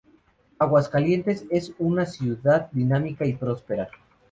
Aguascalientes es una ciudad dinámica y próspera.